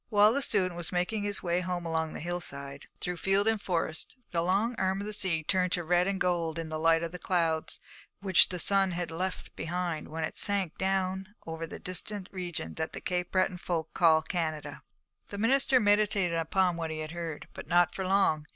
While the student was making his way home along the hillside, through field and forest, the long arm of the sea turned to red and gold in the light of the clouds which the sun had left behind when it sank down over the distant region that the Cape Breton folk call Canada. The minister meditated upon what he had heard, but not for long.